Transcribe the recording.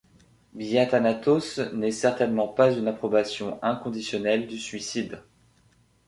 Biathanatos n'est certainement pas une approbation inconditionnelle du suicide.